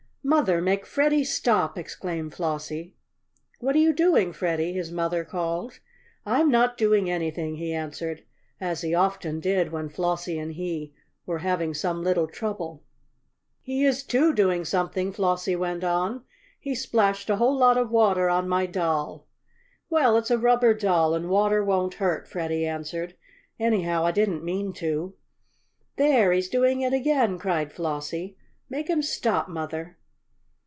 "Mother, make Freddie stop!" exclaimed Flossie. "What are you doing, Freddie?" his mother called. "I'm not doing anything," he answered, as he often did when Flossie and he were having some little trouble. "He is too doing something!" Flossie went on. "He splashed a whole lot of water on my doll." "Well, it's a rubber doll and water won't hurt," Freddie answered. "Anyhow I didn't mean to." "There! He's doing it again!" cried Flossie. "Make him stop, Mother!"